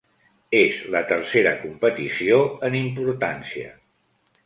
És la tercera competició en importància.